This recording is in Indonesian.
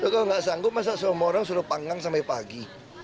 kalau nggak sanggup masa semua orang suruh panggang sampai pagi